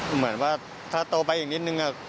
เหมือนว่าถ้าโตไปอีกนิดนึง